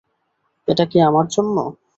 এটা কি আমার জন্য?